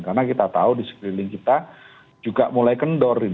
karena kita tahu di sekeliling kita juga mulai kendorin